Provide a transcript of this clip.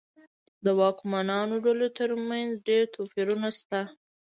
د واکمنو ډلو ترمنځ ډېر توپیرونه شته.